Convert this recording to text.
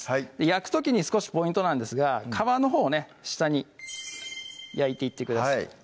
焼く時に少しポイントなんですが皮のほうを下に焼いていってください